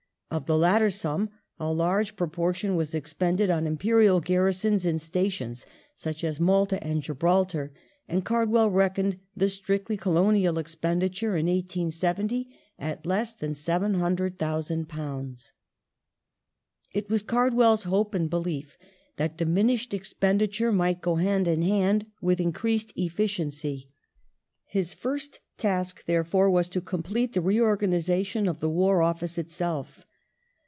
Of the latter sum a large proportion was expended on Imperial garrisons in stations such as Malta and Gibraltar, and Cardwell reckoned the strictly colonial expenditure in 1870 at less than £700,000. It was Cardwell's hope and belief that diminished expenditure The War might go hand in hand with increased efficiency. His first task, ^^^^ therefore, was to complete the reorganization of the War Office itself.